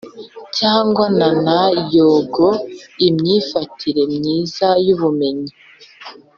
cyangwa jnana yoga, imyifatire myiza y’ubumenyi